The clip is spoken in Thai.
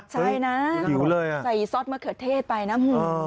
ใช่นะใส่ซอสมะเขือเทศไปนะ